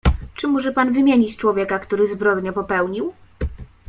"Czy może pan wymienić człowieka, który zbrodnię popełnił?"